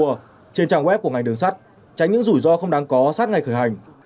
trên trang web của ngành đường sắt tránh những rủi ro không đáng có sát ngày khởi hành